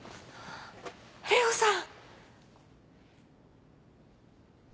玲緒さん！